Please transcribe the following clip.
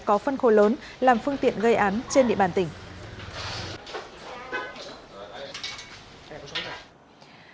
có phân khối lớn làm phương tiện gây án trên địa bàn tỉnh